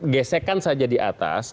gesekan saja di atas